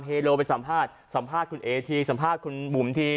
โลไปสัมภาษณ์สัมภาษณ์คุณเอทีสัมภาษณ์คุณบุ๋มที